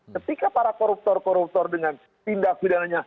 ketika para koruptor koruptor dengan tindak pidananya